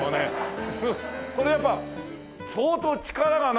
これやっぱり相当力がないと。